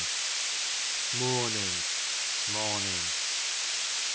Mournin«;, morning.